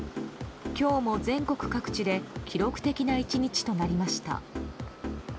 今日も全国各地で記録的な１日となりました。